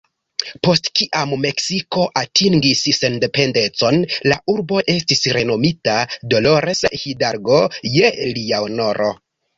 Post kiam Meksiko atingis sendependecon, la urbo estis renomita "Dolores Hidalgo" je lia honoro.